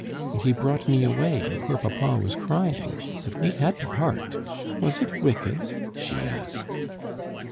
And he brought me away, and poor papa was crying. But we had to part! Was it wicked?" she asked.